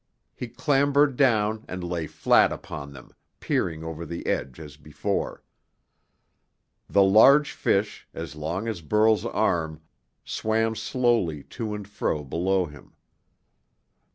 He clambered down and lay flat upon them, peering over the edge as before. The large fish, as long as Burl's arm, swam slowly to and fro below him.